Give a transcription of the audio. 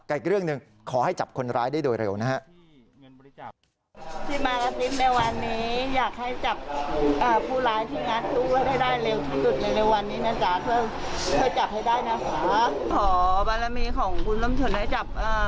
อีกเรื่องหนึ่งขอให้จับคนร้ายได้โดยเร็วนะฮะ